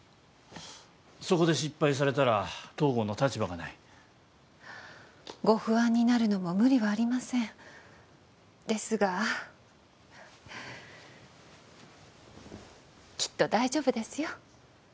そこで失敗されたら東郷の立場がないご不安になるのも無理はありませんですがきっと大丈夫ですよ